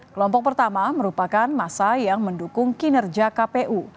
kelompok pertama merupakan masa yang mendukung kinerja kpu